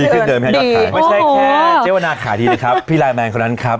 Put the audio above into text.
ดีขึ้นเดินดีไม่ใช่แค่เจ๊วนาขายดีเลยครับพี่ไลน์แมนคนนั้นครับ